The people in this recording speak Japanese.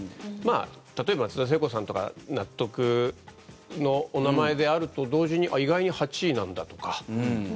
例えば、松田聖子さんとか納得のお名前であると同時にあ、意外に８位なんだとか。